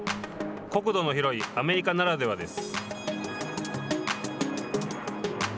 国土の広いアメリカならではです。